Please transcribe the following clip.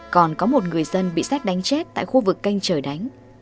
còn có một người dân bị xét đánh chết tại khu vực canh trời đánh